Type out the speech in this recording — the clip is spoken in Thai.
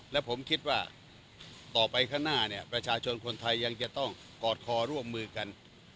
และผมคิดว่าต่อไปข้างหน้าเนี่ยประชาชนคนไทยยังจะต้องกอดคอร่วมมือกัน